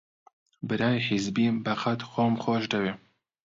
برای حیزبیم بەقەد خۆم خۆش دەوێ